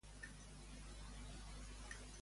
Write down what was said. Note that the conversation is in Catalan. Qui va interpretar a Ann?